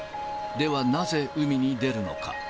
ではなぜ、海に出るのか。